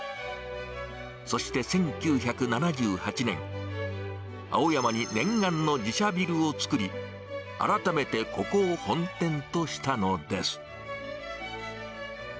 そして１９７８年、青山に念願の自社ビルを作り、改めてここを本店としたのです。